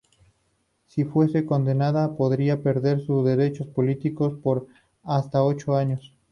Si fuese condenada, podría perder sus derechos políticos por hasta ocho años.